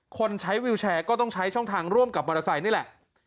คนใช้วิวแชร์ก็ต้องใช้ช่องทางร่วมกับมอเตอร์ไซค์นี่แหละ